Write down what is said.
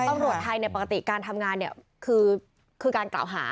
ตำรวจไทยปกติการทำงานเนี่ยคือการกล่าวหา